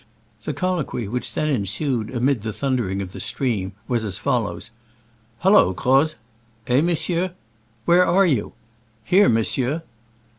The colloquy which then ensued amid the thundering of the stream was as follows: "Hullo, Croz! "Eh, mon sieur?" "Where are you?" "Here, monsieur.